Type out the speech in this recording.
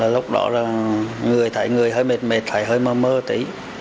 lúc đó người thấy người hơi mệt mệt thấy hơi mơ mơ tí